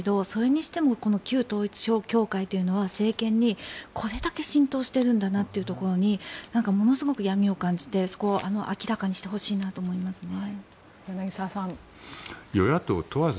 出さなきゃいけないと思うんですがそれにしても旧統一教会は政権にこれだけ浸透してるんだなというところにものすごく闇を感じてそこを明らかにしてほしいなと思いますね。